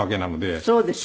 そうですよね。